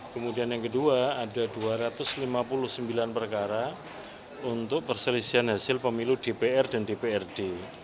kemudian yang kedua ada dua ratus lima puluh sembilan perkara untuk perselisihan hasil pemilu dpr dan dprd